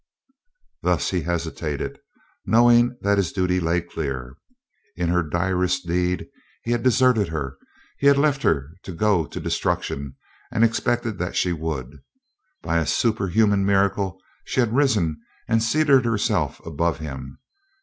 Thus he hesitated, knowing that his duty lay clear. In her direst need he had deserted her. He had left her to go to destruction and expected that she would. By a superhuman miracle she had risen and seated herself above him.